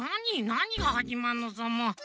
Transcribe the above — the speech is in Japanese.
なにがはじまんのさもう。